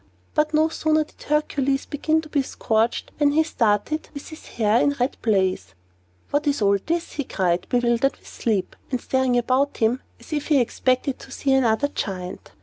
But no sooner did Hercules begin to be scorched, than up he started, with his hair in a red blaze. "What's all this?" he cried, bewildered with sleep, and staring about him as if he expected to see another Giant.